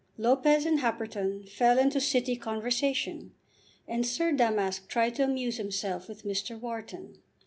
Lopez and Happerton fell into city conversation, and Sir Damask tried to amuse himself with Mr. Wharton.